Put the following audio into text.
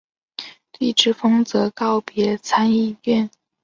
绿之风则告别参议院。